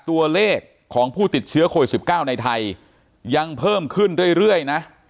ตัวเลขของผู้ติดเชื้อโควิด๑๙ในไทยยังเพิ่มขึ้นเรื่อยนะ